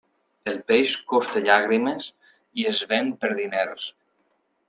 El peix costa llàgrimes i es ven per diners.